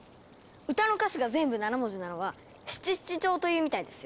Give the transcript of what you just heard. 歌の歌詞が全部７文字なのは「七七調」というみたいですよ。